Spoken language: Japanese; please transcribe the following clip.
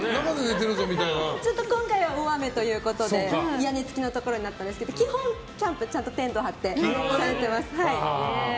今回は大雨ということで屋根付きのところになったんですけど基本、キャンプちゃんとテントを張ってされてます。